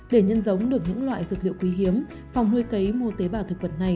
để nhân giống được những loại dược liệu quý hiếm phòng nuôi cấy mô tế bào thực vật này